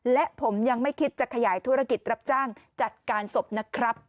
และผมยังไม่คิดจะขยายธุรกิจรับจ้างจัดการศพนะครับ